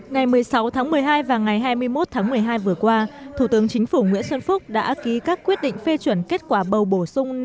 ngày một mươi sáu tháng một mươi hai và ngày hai mươi một tháng một mươi hai vừa qua thủ tướng chính phủ nguyễn xuân phúc đã ký các quyết định phê chuẩn kết quả bầu bổ sung